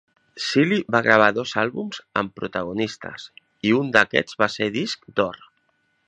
Sealey va gravar dos àlbums amb "Protagonistas", i un d"aquests va ser Disc d"or.